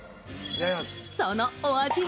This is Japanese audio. そのお味は